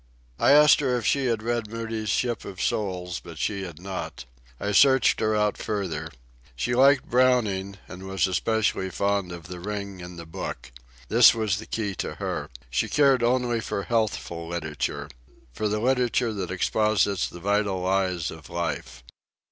I asked her if she had read Moody's Ship of Souls, but she had not. I searched her out further. She liked Browning, and was especially fond of The Ring and the Book. This was the key to her. She cared only for healthful literature—for the literature that exposits the vital lies of life.